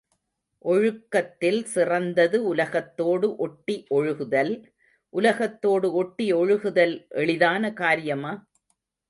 ஒழுக்கத்தில் சிறந்தது உலகத்தோடு ஒட்டி ஒழுகுதல், உலகத்தோடு ஒட்டி ஒழுகுதல் எளிதான காரியமா?